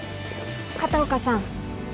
片岡さん。